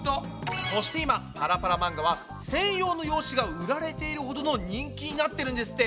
そして今パラパラ漫画は専用の用紙が売られているほどの人気になってるんですって。